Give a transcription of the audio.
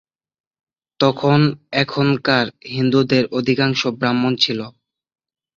তখন এখানকার হিন্দুদের অধিকাংশ ব্রাহ্মণ ছিল।